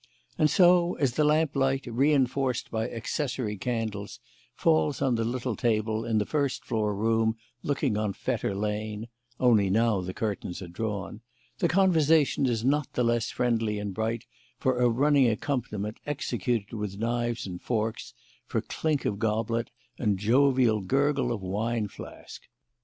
And so, as the lamplight, re enforced by accessory candles, falls on the little table in the first floor room looking on Fetter Lane only now the curtains are drawn the conversation is not the less friendly and bright for a running accompaniment executed with knives and forks, for clink of goblet and jovial gurgle of wine flask.